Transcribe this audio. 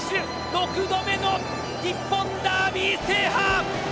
６度目の日本ダービー制覇！